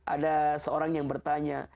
ada seorang yang bertanya